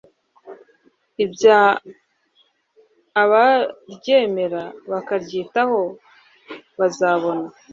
abaryemera; bakaryitaho, bazabona